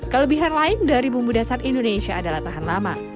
kelebihan lain dari bumbu dasar indonesia adalah tahan lama